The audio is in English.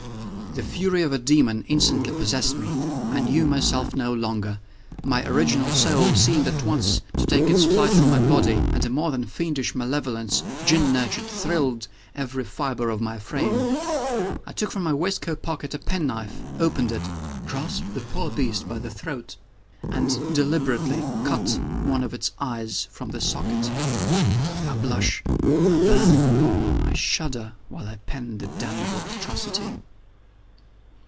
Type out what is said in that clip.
The fury of a demon instantly possessed me. I knew myself no longer. My original soul seemed, at once, to take its flight from my body and a more than fiendish malevolence, gin nurtured, thrilled every fibre of my frame. I took from my waistcoat pocket a pen knife, opened it, grasped the poor beast by the throat, and deliberately cut one of its eyes from the socket! I blush, I burn, I shudder, while I pen the damnable atrocity.